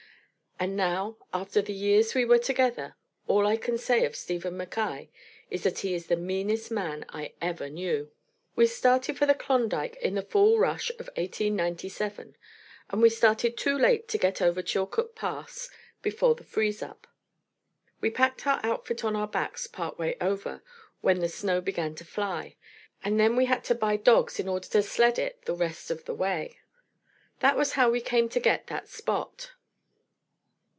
And now, after the years we were together, all I can say of Stephen Mackaye is that he is the meanest man I ever knew. We started for the Klondike in the fall rush of 1897, and we started too late to get over Chilcoot Pass before the freeze up. We packed our outfit on our backs part way over, when the snow began to fly, and then we had to buy dogs in order to sled it the rest of the way. That was how we came to get that Spot.